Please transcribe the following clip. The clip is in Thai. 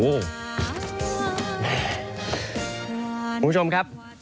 โอ้โหผู้ชมครับ